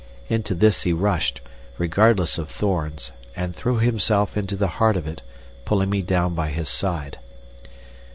Into this he rushed, regardless of thorns, and threw himself into the heart of it, pulling me down by his side.